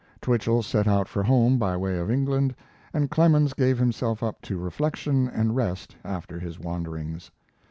Twichell set out for home by way of England, and Clemens gave himself up to reflection and rest after his wanderings.